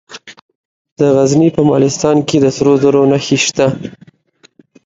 د غزني په مالستان کې د سرو زرو نښې شته.